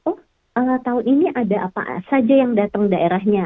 oh tahun ini ada apa saja yang datang daerahnya